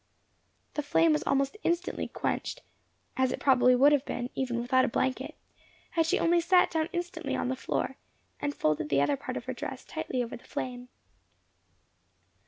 The flame was almost instantly quenched, as it probably would have been, even without a blanket, had she only sat down instantly on the floor, and folded the other part of her dress tightly over the flame.